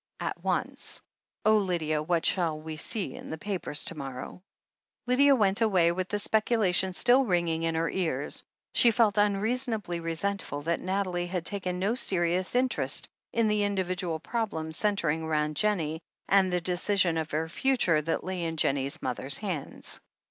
"At once. Oh, Lydia, what shall we see in the papers to morrow?" Lydia went away with the speculation still ringing in her ears. She felt tmreasonably resentful that Nathalie had taken no serious interest in the individual problem centring rotmd Jennie and the decision of her future that lay in Jennie's mother's hands.